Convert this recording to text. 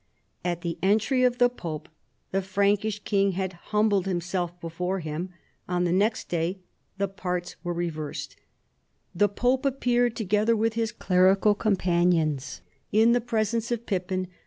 At the entry of the pope, tlie Frankish king' had humbled himself before him. On the next day the parts were reversed. " The pope appeared, together with his clerical companions, in the presence of Pip PIPPIN, KING OF THE FRANKS. 91 pin.